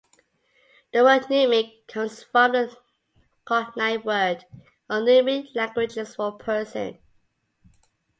The word Numic comes from the cognate word in all Numic languages for person.